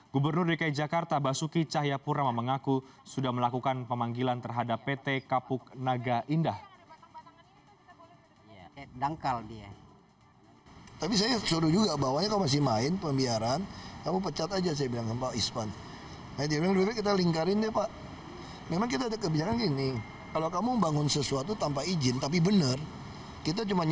gubernur dki jakarta basuki cahyapura mengaku sudah melakukan pemanggilan terhadap pt kapuk naga indah